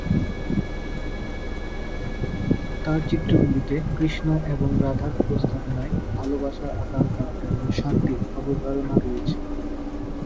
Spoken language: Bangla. তাঁর চিত্রগুলিতে, কৃষ্ণ এবং রাধার উপস্থাপনায় "ভালবাসা, আকাঙ্ক্ষা এবং শান্তি"র অবতারণা রয়েছে।